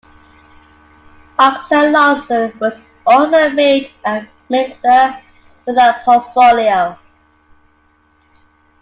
Aksel Larsen was also made a Minister without portfolio.